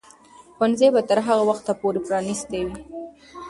ښوونځي به تر هغه وخته پورې پرانیستي وي.